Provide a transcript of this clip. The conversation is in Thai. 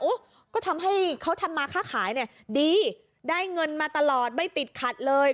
โอ้ก็ให้เขาทำมาค่าขายดีถึงได้เงินมาตลอดไม่ติดคัดเลย